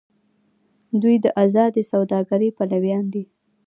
دوی د ازادې سوداګرۍ پلویان دي.